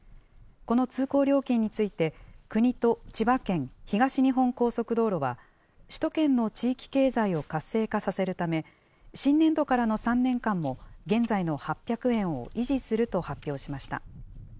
この通行料金について、国と千葉県、東日本高速道路は、首都圏の地域経済を活性化させるため、新年度からの３年間も、現在の８００円を維持すると発表しました。